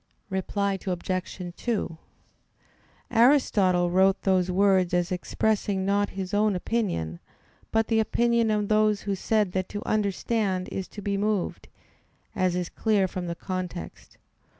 Reply Obj. 2: Aristotle wrote those words as expressing not his own opinion, but the opinion of those who said that to understand is to be moved, as is clear from the context.